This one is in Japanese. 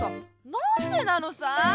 なんでなのさ！